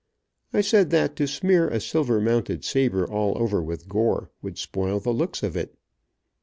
I said that to smear a silver mounted saber all over with gore, would spoil the looks of it.